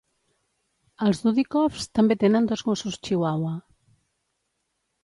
Els Dudikoffs també tenen dos gossos Chihuahua.